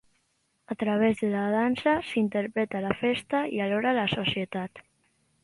A través de la dansa s'interpreta la festa i alhora la societat.